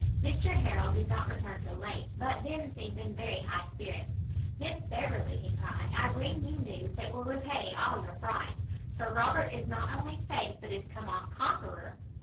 Mr Harrel did not return till late, but then seemed in very high spirits: "Miss Beverley," he cried, "I bring you news that will repay all your fright; Sir Robert is not only safe, but is come off conqueror."